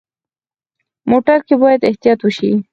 موټر کې باید احتیاط وشي.